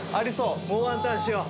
もうワンターンしよう。